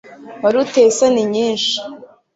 Wari uteye isoni nyinshi